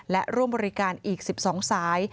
และร่วมบริการอีก๑๒สาย